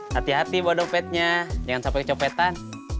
hati hati bawa dompetnya jangan sampai kecopetan